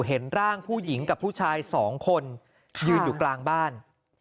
เห็นร่างผู้หญิงกับผู้ชายสองคนยืนอยู่กลางบ้าน